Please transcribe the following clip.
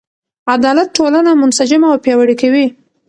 عدالت ټولنه منسجمه او پیاوړې کوي.